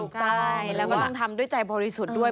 ถูกต้องแล้วก็ต้องทำด้วยใจบริสุทธิ์ด้วย